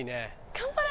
頑張れ！